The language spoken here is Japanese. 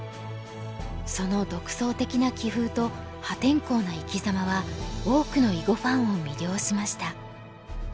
その独創的な棋風と破天荒な生きざまは多くの囲碁ファンを魅了しました。